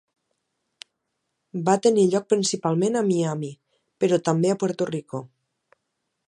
Va tenir lloc principalment a Miami, però també a Puerto Rico.